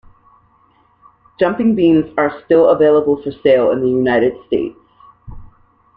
Jumping beans are still available for sale in the United States.